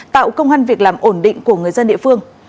tạo công an việc làm ổn định của người dân địa phương